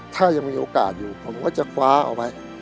ถ้ายังมีโอกาสอยู่ผมก็จะคว้าเอาไว้